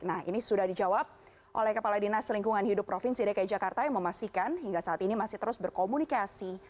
nah ini sudah dijawab oleh kepala dinas lingkungan hidup provinsi dki jakarta yang memastikan hingga saat ini masih terus berkomunikasi